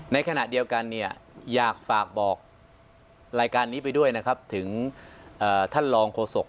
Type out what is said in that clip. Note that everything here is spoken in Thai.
ในขณะเดียวกันอยากฝากบอกรายการนี้ไปด้วยถึงท่านรองโกศก